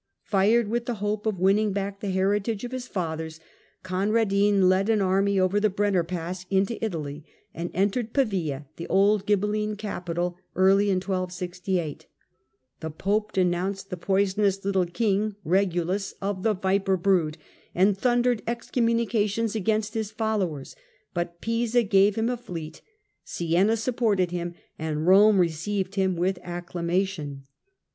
Fired with the hope of winning back the heritage of his fathers, Conradin led an army over the Brenner Pass into Italy, and entered Pavia, the old Ghibeline capital, early in 1268. The Pope denounced the " poisonous little king (regulus) " of the " viper brood," and thundered excommunications against his followers. But Pisa gave him a fleet, Siena supported him, and Eome received him with acclamation.